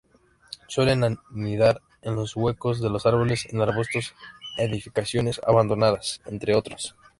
Suelen anidar en los huecos de los árboles, en arbustos, edificaciones abandonadas entre otros.